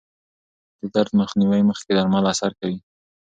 د درد مخنیوي مخکې درمل اثر کوي.